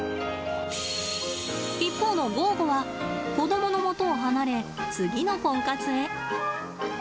一方のゴーゴは子どものもとを離れ次のコンカツへ。